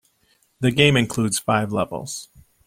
The game includes five levels.